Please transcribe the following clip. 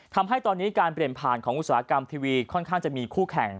ทำให้ตอนนี้การเปลี่ยนผ่านของอุตสาหกรรมทีวีค่อนข้างจะมีคู่แข่ง